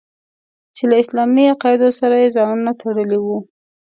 چې له اسلامي عقایدو سره یې ځانونه تړلي وو.